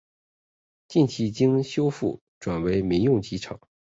近年经修复转为民用机场。